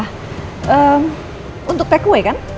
ehm untuk takeaway kan